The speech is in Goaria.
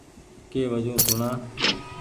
ڪي وجون سوڻا ۔